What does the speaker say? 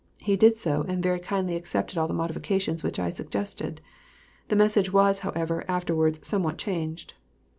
He did so and very kindly accepted all the modifications which I suggested. The message was, however, afterwards somewhat changed.